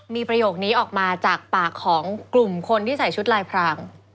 มีประโยคนี้ออกมาจากปากของกลุ่มคนที่ใส่ชุดลายพราง